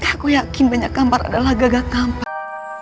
aku yakin banyak ngampar adalah gagak ngampar